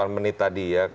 delapan menit tadi ya